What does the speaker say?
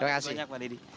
terima kasih banyak pak didi